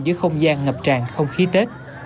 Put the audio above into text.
với không gian ngập tràn không khí tết